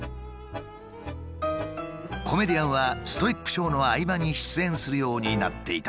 コメディアンはストリップショーの合間に出演するようになっていた。